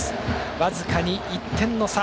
僅かに１点の差。